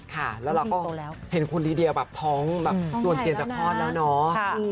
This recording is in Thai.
แล้วเราก็เห็นคุณลีเดียแบบท้องต้นเตียนสะพอดแล้วเนาะ